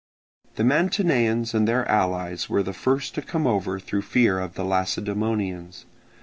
The Mantineans and their allies were the first to come over through fear of the Lacedaemonians.